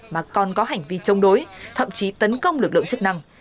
mà còn có hành vi chống đối thậm chí tấn công lực lượng chức năng